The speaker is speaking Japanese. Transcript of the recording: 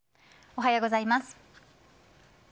おはようございます。